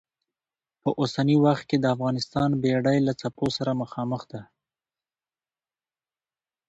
په اوسني وخت کې د افغانستان بېړۍ له څپو سره مخامخ ده.